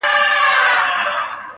در جارېږم مقدسي له رِضوانه ښایسته یې,